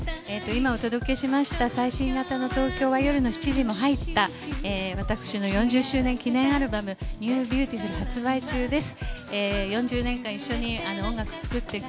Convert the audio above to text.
今、お届けしました最新型の『東京は夜の七時』も入った、私の４０周年記念アルバム『ＮｅｗＢｅａｕｔｉｆｕｌ』発売中です。